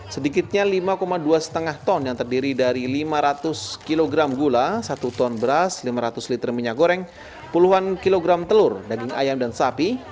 sedikitnya lima dua lima ton yang terdiri dari lima ratus kg gula satu ton beras lima ratus liter minyak goreng puluhan kilogram telur daging ayam dan sapi